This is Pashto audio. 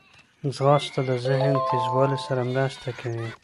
ځغاسته د ذهن تیزوالي سره مرسته کوي